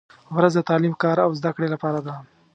• ورځ د تعلیم، کار او زدهکړې لپاره ده.